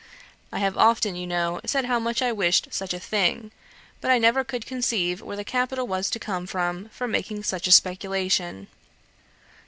I have often, you know, said how much I wished such a thing; but I never could conceive where the capital was to come from for making such a speculation.